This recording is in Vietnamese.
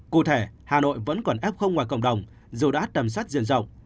cụ thể hà nội vẫn còn ép không ngoài cộng đồng dù đã tầm soát dân dọc